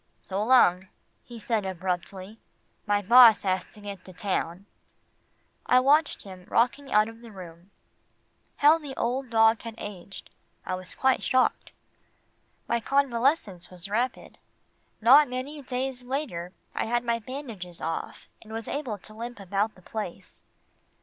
"So long," he said abruptly. "My boss has to get to town." I watched him rocking out of the room. How the old dog had aged. I was quite shocked. My convalescence was rapid. Not many days later, I had my bandages off, and was able to limp about the place.